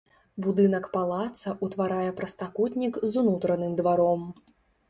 Будынак палаца ўтварае прастакутнік з унутраным дваром.